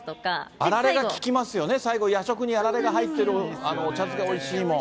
あられが利きますよね、最後、夜食にあられが入ってるお茶漬けおいしいもん。